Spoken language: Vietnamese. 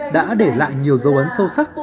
đã để lại nhiều dấu ấn sâu sắc